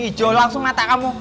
hijau langsung mata kamu